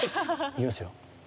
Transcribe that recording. いきますよ。